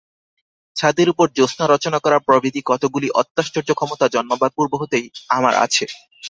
ছাদের উপর জ্যোৎস্না রচনা করা প্রভৃতি কতকগুলি অত্যাশ্চর্য ক্ষমতা জন্মাবার পূর্ব হতেই আমার আছে।